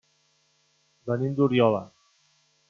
Venim d'Oriola.